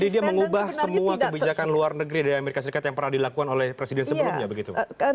dia mengubah semua kebijakan luar negeri dari amerika serikat yang pernah dilakukan oleh presiden sebelumnya begitu